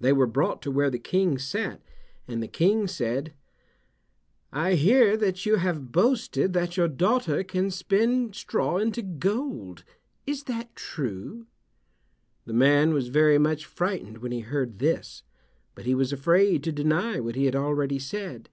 They were brought to where the King sat, and the King said, "I hear that you have boasted that your daughter can spin straw into gold. Is that true?" The man was very much frightened when he heard this, but he was afraid to deny what he had already said.